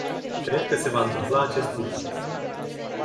Cred că se va întâmpla acest lucru.